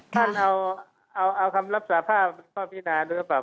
ท่านเอาคำรับสาภาพพ่อพี่นาดูก่อน